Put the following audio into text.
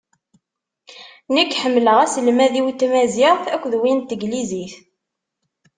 Nekk ḥemmleɣ aselmad-iw n tmaziɣt akked win n teglizit.